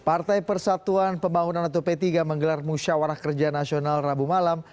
partai persatuan pembangunan atau p tiga menggelar musyawarah kerja nasional rabu malam